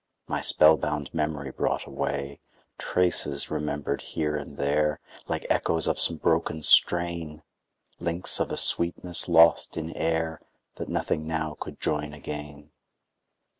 My spell bound memory brought away; Traces, remembered here and there, Like echoes of some broken strain; Links of a sweetness lost in air, That nothing now could join again.